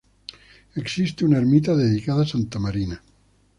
Existe una ermita dedicada a Santa Marina.